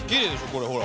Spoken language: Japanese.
これほら。